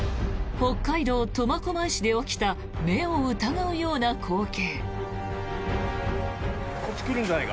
北海道苫小牧市で起きた目を疑うような光景。